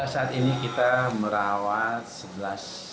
saat ini kita merawat sebelas orang